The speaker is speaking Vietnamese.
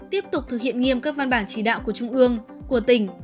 tiếp tục thực hiện nghiêm các văn bản chỉ đạo của trung ương của tỉnh